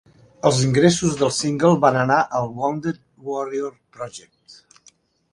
Els ingressos del single van anar al Wounded Warrior Project.